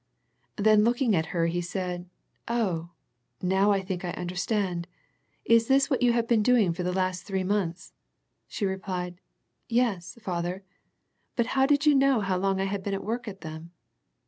Then looking at her he said " Oh, now I think I un derstand. Is this what you have been doing for the last three months ?" She replied " Yes, Father, but how did you know how long I had been at work on them